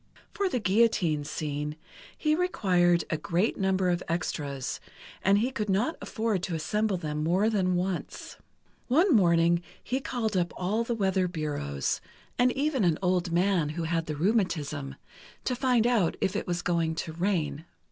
For the guillotine scene, he required a great number of extras, and he could not afford to assemble them more than once. One morning he called up all the weather bureaus, and even an old man who had the rheumatism, to find out if it was going to rain.